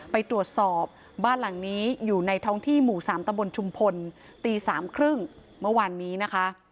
ไปตรวจสอบบ้านหลังนี้อยู่ในท้องที่หมู่๓ตะบนชุมพลตี๓๓๐เมื่อวานนี้นะคะ